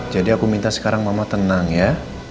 jadi aku minta sekarang mama tenang ya